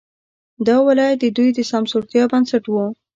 دا ولایت د دوی د سمسورتیا بنسټ وو.